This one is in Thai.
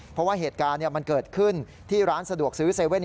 เพราะว่าเหตุการณ์มันเกิดขึ้นที่ร้านสะดวกซื้อ๗๑๑